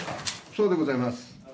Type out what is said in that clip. そうでございます。